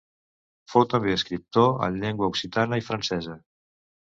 Fou també escriptor en llengua occitana i francesa.